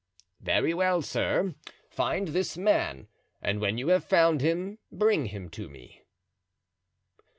"Very well, sir, find this man, and when you have found him bring him to me."